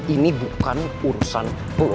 ini bukan urusan bu